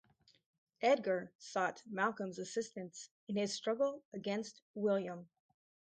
Edgar sought Malcolm's assistance in his struggle against William.